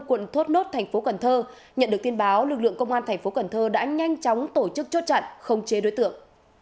quận thốt nốt tp cần thơ nhận được tin báo lực lượng công an tp cần thơ đã nhanh chóng tổ chức chốt trận không chế đối tượng